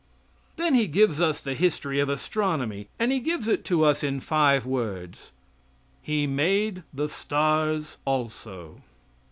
Then he gives us the history of astronomy, and he gives it to us in five words: "He made the stars also."